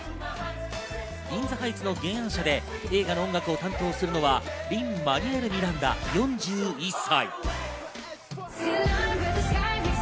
『イン・ザ・ハイツ』の原案で映画の音楽を担当するのはリン＝マニュエル・ミランダ４１歳。